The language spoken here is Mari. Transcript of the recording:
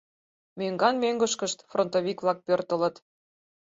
— Мӧҥган-мӧҥгышкышт фронтовик-влак пӧртылыт.